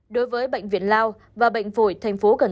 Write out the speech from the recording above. đối với bệnh viện lao và bệnh phổi tp cn